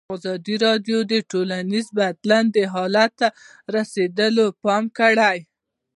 ازادي راډیو د ټولنیز بدلون حالت ته رسېدلي پام کړی.